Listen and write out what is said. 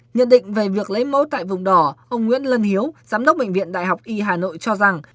nhận định về việc lấy mẫu tại vùng đỏ ông nguyễn lân hiếu giám đốc bệnh viện đại học y hà nội cho rằng